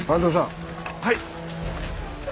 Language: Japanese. はい。